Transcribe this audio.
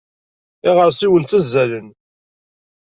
Iɣersiwen ttazzalen.